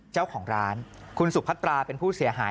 เจ้าของร้านคุณสุพัตราเป็นผู้เสียหาย